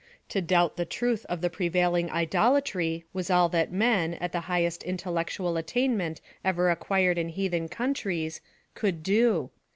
To doubt the truth ol the prevailing idolatry was all that men, at the highest intellectual attainment ever acquired in 50 PHILOSOPHY OF THE heathen countries, could do.